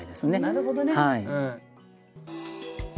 なるほどね。